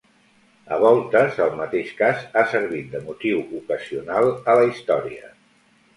A voltes el mateix cas ha servit de motiu ocasional a la història.